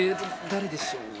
「誰でしょうね？」